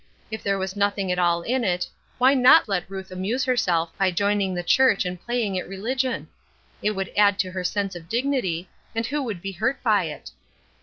If there was nothing at all in it, why not let Ruth amuse herself by joining the church and playing at religion? It would add to her sense of dignity, and who would be hurt by it?